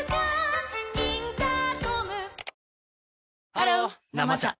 ハロー「生茶」